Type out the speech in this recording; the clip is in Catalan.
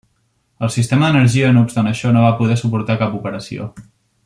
El sistema d'energia, no obstant això, no va poder suportar cap operació.